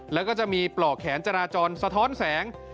แล้วก็จะมีปลอกแขนจราจรสะท้อนแสง